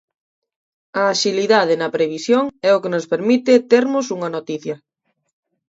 A axilidade na previsión é o que nos permite termos unha noticia.